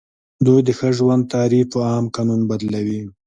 دوی د ښه ژوند تعریف په عام قانون بدلوي.